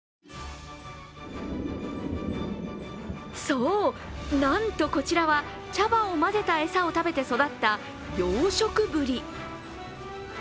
そう、なんとこちらは茶葉を混ぜた餌を食べて育った養殖ブリ。